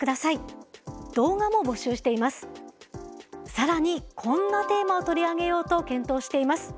更にこんなテーマを取り上げようと検討しています。